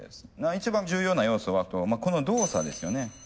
一番重要な要素はこの動作ですよね。